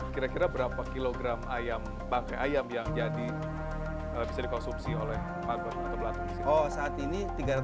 kira kira berapa kilogram ayam bangkai ayam yang jadi bisa dikonsumsi oleh pak gon atau belakang